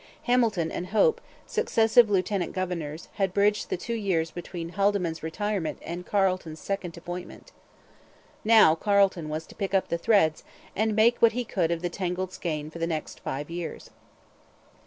Hamilton and Hope, successive lieutenant governors, had bridged the two years between Haldimand's retirement and Carleton's second appointment. Now Carleton was to pick up the threads and make what he could of the tangled skein for the next five years.